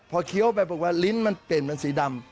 พอเคี้ยวไปบอกว่าลิ้นมันเปลี่ยนเป็นสีดำ